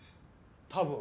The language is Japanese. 多分。